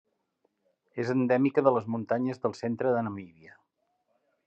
És endèmica de les muntanyes del centre de Namíbia.